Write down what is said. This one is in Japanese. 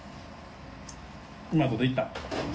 うまいこといった？